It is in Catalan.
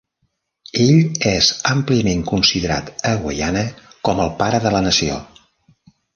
Ell és àmpliament considerat a Guyana com el "pare de la nació".